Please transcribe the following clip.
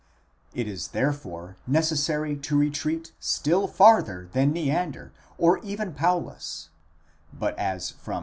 —It is, therefore, necessary to retreat still farther than Neander, or even Paulus: but as from v.